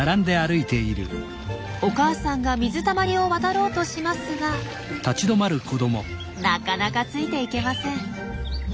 お母さんが水たまりを渡ろうとしますがなかなかついていけません。